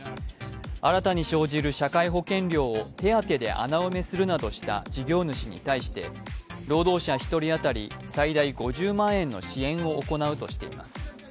新たに生じる社会保険料を手当てで穴埋めするなどした事業主に対して労働者１人当たり最大５０万円の支援を行うとしています。